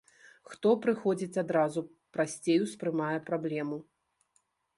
Хто прыходзіць адразу, прасцей успрымае праблему.